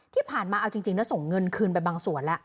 ที่ผ่านมาเอาจริงนะส่งเงินคืนไปบางส่วนแล้ว